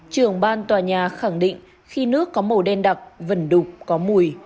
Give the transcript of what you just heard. trưởng ban tòa nhà khẳng định khi nước có màu đen đặc vần đục có mùi